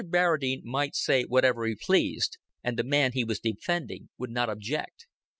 Barradine might say whatever he pleased: and the man he was defending would not object.